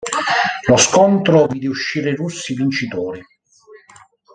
Lo scontro vide uscire i Russi vincitori.